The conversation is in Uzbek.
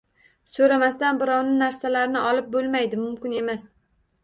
So'ramasdan birovni narsalarini olib bo‘lmaydi, mumkin emas.